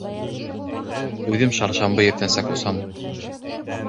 Үҙем шаршамбы иртәнсәк осам